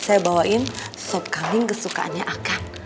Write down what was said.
saya bawain sop kambing kesukaannya akan